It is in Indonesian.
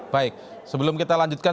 baik sebelum kita lanjutkan